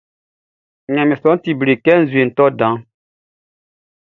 Ɲanmiɛn su lɔʼn ti ble kɛ nzueʼn tɔ danʼn.